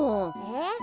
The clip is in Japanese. えっ？